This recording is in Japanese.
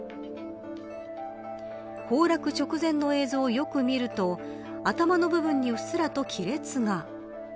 崩落直前の映像をよく見ると頭の部分にうっすらと亀裂が。